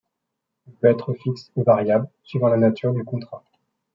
Il peut être fixe ou variable, suivant la nature du contrat.